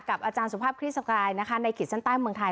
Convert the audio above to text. อาจารย์สุภาพคลิกสกายนะคะในขีดเส้นใต้เมืองไทย